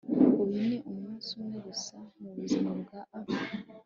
uyu ni umunsi umwe gusa mubuzima bwa a